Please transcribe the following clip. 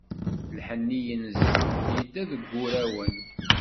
Lḥenni yenza, yedda deg wurawen.